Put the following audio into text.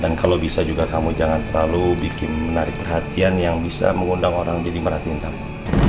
dan kalau bisa juga kamu jangan terlalu bikin menarik perhatian yang bisa menghantar orang jadi merhatiin kamu